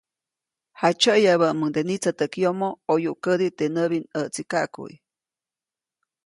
Jaʼtsyäʼyabäʼmuŋde nitsätäʼk yomo ʼoyuʼk kädi teʼ näʼbinʼäʼtsikaʼkuʼy.